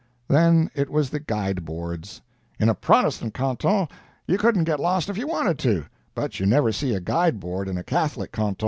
Then it was the guide boards: "In a Protestant canton you couldn't get lost if you wanted to, but you never see a guide board in a Catholic canton."